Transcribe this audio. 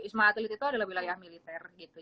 ismail atul itu adalah wilayah militer gitu